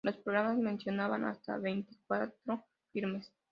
Los programas mencionaban hasta veinticuatro filmes.